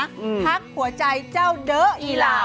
พักหัวใจเจ้าเด้ออีลา